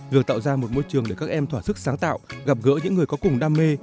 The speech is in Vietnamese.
việc tạo ra một môi trường để các em thỏa sức sáng tạo gặp gỡ những người có cùng đam mê